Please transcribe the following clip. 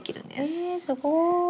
へえすごい。